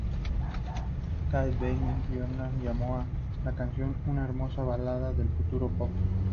Kat Bein de Billboard llamó a la canción "una hermosa balada del futuro pop".